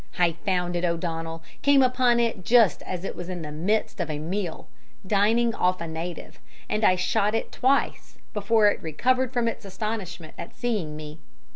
I found it, O'Donnell, came upon it just as it was in the midst of a meal dining off a native and I shot it twice before it recovered from its astonishment at seeing me.